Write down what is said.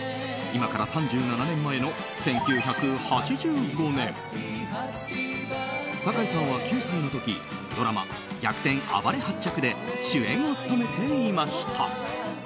今から３７年前の１９８５年酒井さんは９歳の時ドラマ「逆転あばれはっちゃく」で主演を務めていました。